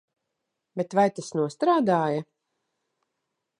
Bet vai tas nostrādāja?